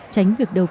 tránh việc đầu tư